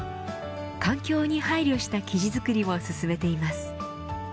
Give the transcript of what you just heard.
環境に配慮した生地作りも進めています。